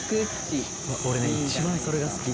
俺ね一番それが好き。